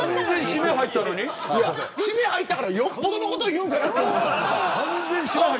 締めに入ったからよっぽどのこと言うんかなと思ったら。